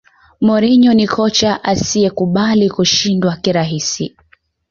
mourinho ni kocha asiyekubali kushindwa kirahisi